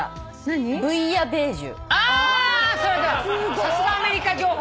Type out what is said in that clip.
さすがアメリカ情報。